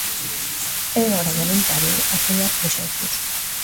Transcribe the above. É hora de alentar e apoiar proxectos.